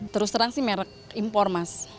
terus terang sih merek impor mas